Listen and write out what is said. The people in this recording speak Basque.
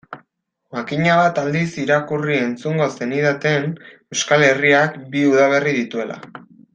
Makina bat aldiz irakurri-entzungo zenidaten Euskal Herriak bi udaberri dituela.